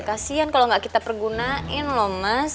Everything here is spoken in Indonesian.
kasian kalo gak kita pergunain loh mas